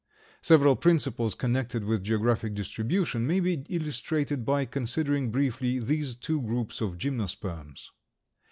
Several principles connected with geographic distribution may be illustrated by considering briefly these two groups of Gymnosperms.